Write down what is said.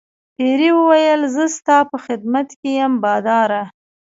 پیري وویل زه ستا په خدمت کې یم باداره.